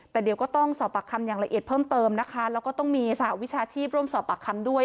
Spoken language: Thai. แต่เดี๋ยวก็ต้องสอบปากคำอย่างละเอียดเพิ่มเติมนะคะแล้วก็ต้องมีสหวิชาชีพร่วมสอบปากคำด้วย